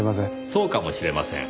そうかもしれません。